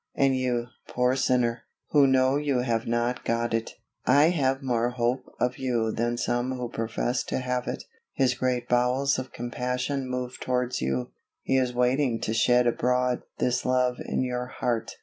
And you, poor sinner, who know you have not got it I have more hope of you than some who profess to have it. His great bowels of compassion move towards you; He is waiting to shed abroad this love in your heart.